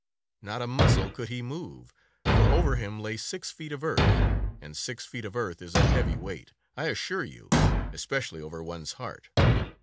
Not a muscle could he move, for over him lay six feet of earth, and six feet of earth is a heavy weight, I assure you, especially over one's heart.